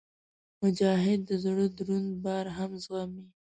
مجاهد د زړه دروند بار هم زغمي.